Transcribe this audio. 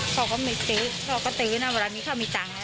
เขาก็ไม่ซื้อเขาก็ตื้นอ่ะเวลามีเขามีต่างอ่ะ